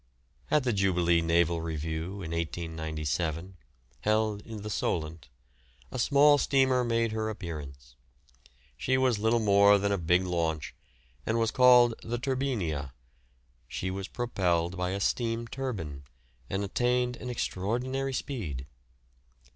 At the Jubilee naval review in 1897, held in the Solent, a small steamer made her appearance. She was little more than a big launch, and was called the "Turbinia"; she was propelled by a steam turbine and attained an extraordinary speed.